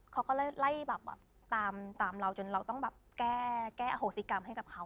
เขาก็ไล่แบบตามเราจนเราต้องแบบแก้อโหสิกรรมให้กับเขา